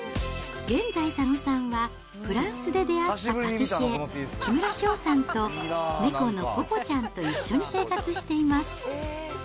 現在、佐野さんはフランスで出会ったパティシエ、木村翔さんと猫のポポちゃんと一緒に生活しています。